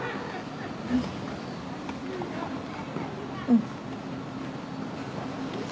うん。